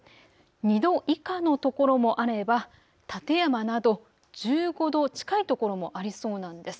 ２度以下のところもあれば館山など１５度近い所もありそうなんです。